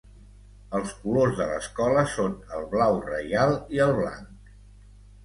Els colors de l'escola són el blau reial i el blanc.